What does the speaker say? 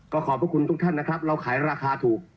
ก็ขอบพระคุณทุกท่านนะครับเราขายราคาถูก